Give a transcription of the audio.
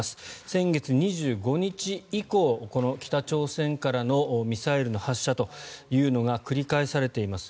先月２５日以降、北朝鮮からのミサイルの発射というのが繰り返されています。